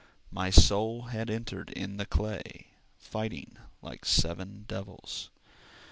My soul had entered in the clay, Fighting like seven devils.